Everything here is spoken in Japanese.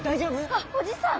あっおじさん。